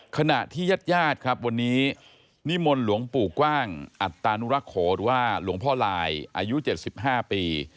ขณะที่ญาติญาติครับวันนี้นิมนต์หลวงปู่กว้างอัตตานุรักษ์โขหรือว่าหลวงพ่อลายอายุ๗๕ปี